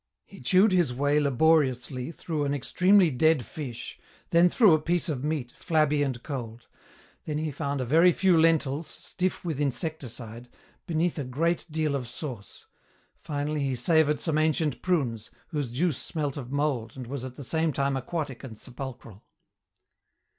He chewed his way laboriously through an extremely dead fish, then through a piece of meat, flabby and cold; then he found a very few lentils, stiff with insecticide, beneath a great deal of sauce; finally he savoured some ancient prunes, whose juice smelt of mould and was at the same time aquatic and sepulchral.